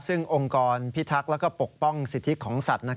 ซึ่งองค์กรพิทักษ์และปกป้องสิทธิของสัตว์